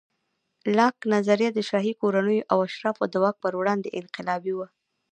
لاک نظریه د شاهي کورنیو او اشرافو د واک پر وړاندې انقلابي وه.